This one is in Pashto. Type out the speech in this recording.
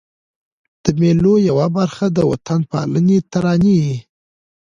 د مېلو یوه برخه د وطن پالني ترانې يي.